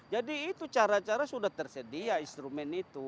jadi itu cara cara sudah tersedia instrumen itu